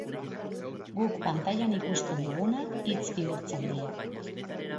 Guk pantailan ikusten duguna hitz bihurtzen dio.